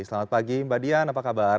selamat pagi mbak dian apa kabar